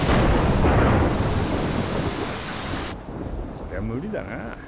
こりゃむりだな。